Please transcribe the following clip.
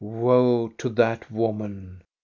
Woe to that woman !